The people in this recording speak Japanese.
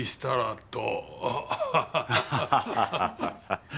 ハハハハッ。